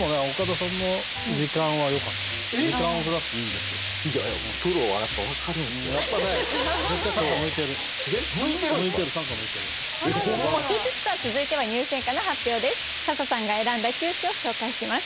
さあ続いては入選歌の発表です。